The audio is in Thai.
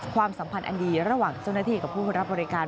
ความสัมพันธ์อันดีระหว่างเจ้าหน้าที่กับผู้รับบริการ